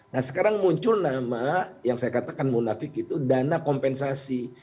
nah sekarang muncul nama yang saya katakan munafik itu dana kompensasi